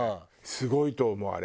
すごいと思うあれ。